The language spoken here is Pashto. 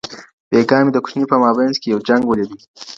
بېګا مي د کوچني په مابينځ کي یو جنګ ولیدی.